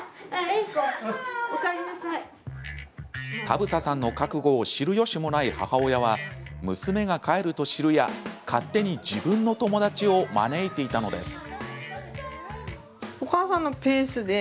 田房さんの覚悟を知るよしもない母親は、娘が帰ると知るや勝手に自分の友達を招いていたのです。